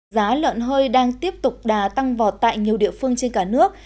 giá lợn hơi đang tiếp tục đà tăng vọt tại nhiều địa phương trên cả nước